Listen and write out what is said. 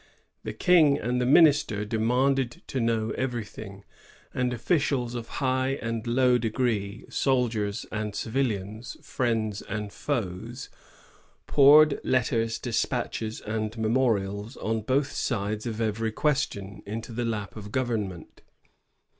The king and the minister demanded to know everything; and officials of high and low degree, soldiers and civilians, friends and foes, poured letters, de spatches, and memorials, on both sides of every question, into the lap of government.